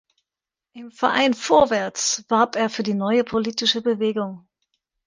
Im "Verein Vorwärts" warb er für die neue politische Bewegung.